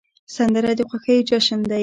سندره د خوښیو جشن دی